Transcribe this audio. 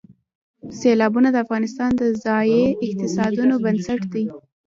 سیلابونه د افغانستان د ځایي اقتصادونو بنسټ دی.